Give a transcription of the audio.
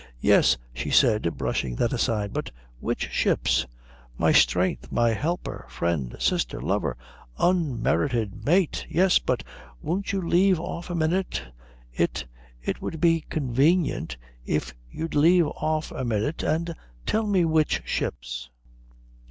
"Yes," she said, brushing that aside, "but which ships?" "My strength, my helper, friend, sister, lover, unmerited mate " "Yes, but won't you leave off a minute? It it would be convenient if you'd leave off a minute and tell me which ships?"